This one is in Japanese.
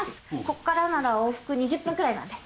こっからなら往復２０分くらいなんで。